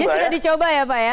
ini sudah dicoba ya pak ya